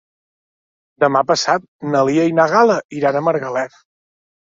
Demà passat na Lia i na Gal·la iran a Margalef.